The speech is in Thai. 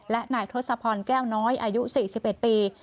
และนายทศพรแก้วน้อยอายุ๔๑ปี